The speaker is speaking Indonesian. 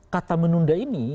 kata menunda ini